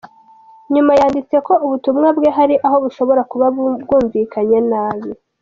Nyuma yanditse ko ubutumwa bwe hari aho bushobora kuba bwumvikanye nabi.